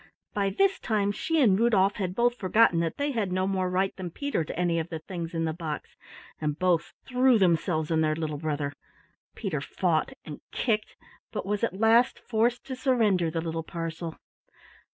By this time she and Rudolf had both forgotten that they had no more right than Peter to any of the things in the box, and both threw themselves on their little brother. Peter fought and kicked, but was at last forced to surrender the little parcel.